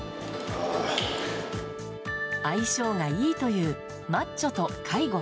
相性がいいというマッチョと介護。